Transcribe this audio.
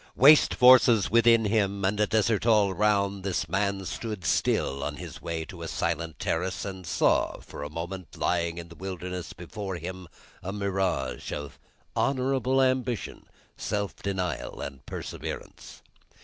Waste forces within him, and a desert all around, this man stood still on his way across a silent terrace, and saw for a moment, lying in the wilderness before him, a mirage of honourable ambition, self denial, and perseverance.